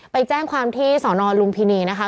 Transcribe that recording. ไปแจ้งความที่สอนอลุมพินีนะคะ